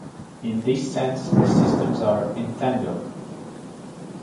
In this sense, the systems are "entangled".